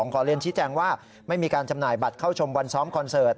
ขอเรียนชี้แจงว่าไม่มีการจำหน่ายบัตรเข้าชมวันซ้อมคอนเสิร์ต